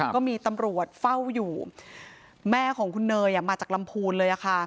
ก็มีตำรวจเฝ้าอยู่แม่ของคุณเนยมาจากลำพูนเลย